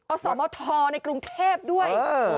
สมทในกรุงเทพด้วย